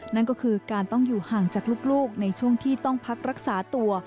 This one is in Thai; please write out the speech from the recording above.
นั่นก็คือการต้องอยู่ห่างจากลูกในช่วงที่ต้องพักรักษาตัว